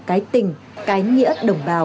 cái tình cái nghĩa đồng bào